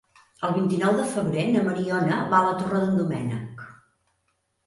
El vint-i-nou de febrer na Mariona va a la Torre d'en Doménec.